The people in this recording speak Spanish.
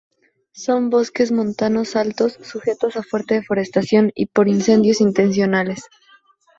Son bosques montanos altos sujetos a fuerte deforestación, y por incendios intencionales.